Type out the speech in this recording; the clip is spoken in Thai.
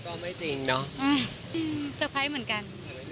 โตไม่จริงเอ้ย